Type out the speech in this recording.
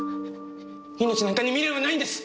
命なんかに未練はないんです！